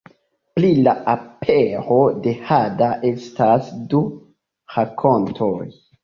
Pri la apero de hada estas du rakontoj.